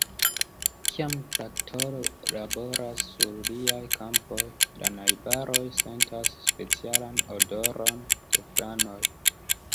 Kiam traktoro laboras sur liaj kampoj, la najbaroj sentas specialan odoron de flanoj.